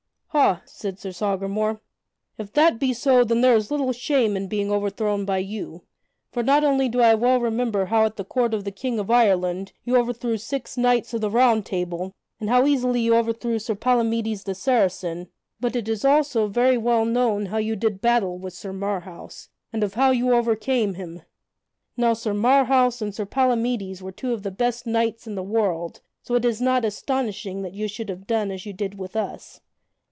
"Ha!" said Sir Sagramore, "if that be so, then there is little shame in being overthrown by you. For not only do I well remember how at the court of the King of Ireland you overthrew six knights of the Round Table, and how easily you overthrew Sir Palamydes the Saracen, but it is also very well known how you did battle with Sir Marhaus, and of how you overcame him. Now Sir Marhaus and Sir Palamydes were two of the best knights in the world, so it is not astonishing that you should have done as you did with us.